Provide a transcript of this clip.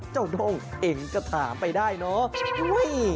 เจ้าโด่งเองก็ถามไปได้เนอะ